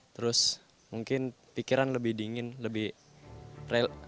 terus mungkin pikiran lebih dingin lebih relax ya